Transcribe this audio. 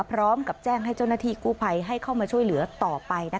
พร้อมกับแจ้งให้เจ้าหน้าที่กู้ภัยให้เข้ามาช่วยเหลือต่อไป